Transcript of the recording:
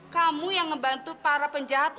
kamu yang membantu para penjahat